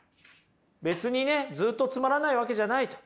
別にねずっとつまらないわけじゃないと。